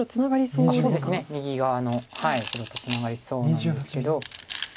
そうですね右側の白とツナがりそうなんですけど。